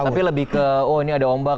tapi lebih ke oh ini ada ombak